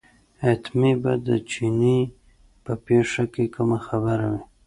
حتمي به د چیني په پېښه کې کومه خبره وي.